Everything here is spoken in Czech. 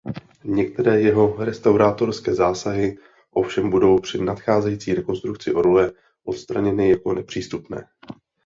Některé jeho restaurátorské zásahy ovšem budou při nadcházející rekonstrukci orloje odstraněny jako nepřípustné.